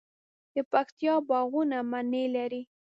د پکتیا باغونه مڼې لري.